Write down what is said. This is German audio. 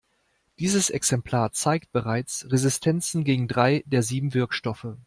Dieses Exemplar zeigt bereits Resistenzen gegen drei der sieben Wirkstoffe.